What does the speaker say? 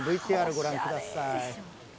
ＶＴＲ、ご覧ください。